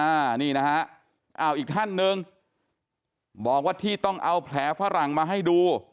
อ่านี่นะฮะอ้าวอีกท่านหนึ่งบอกว่าที่ต้องเอาแผลฝรั่งมาให้ดู